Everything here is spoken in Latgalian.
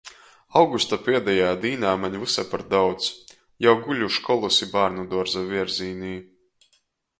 Augusta pādejā dīnā maņ vysa par daudz. Jau guļu školys i bārnuduorza vierzīnī.